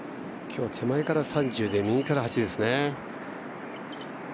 今日は手前から３０で、右から８ですね。